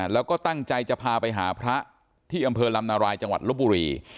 แล้วก็ตั้งใจจะพาไปหาพระที่อำเภอลำนารายจังหวัดลบบุรี